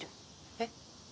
えっ？